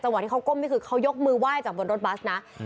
ที่เขาก้มนี่คือเขายกมือไหว้จากบนรถบัสนะ